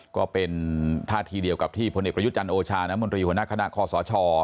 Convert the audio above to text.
ก็เป็นท่าทีเดียวกับที่พลเอกประยุจันทร์โอชาน้ำมนตรีหัวหน้าคณะคอสช